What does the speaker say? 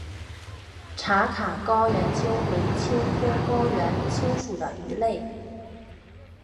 茶卡高原鳅为鳅科高原鳅属的鱼类。